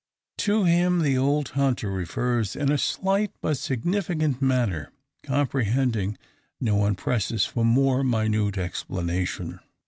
To him the old hunter refers in a slight but significant manner. Comprehending, no one presses for more minute explanation.